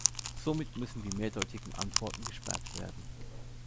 Somit müssen die mehrdeutigen Antworten gesperrt werden.